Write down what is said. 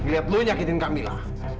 lihat lu nyakitin kamila